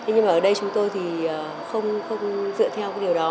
nhưng mà ở đây chúng tôi thì không dựa theo điều đó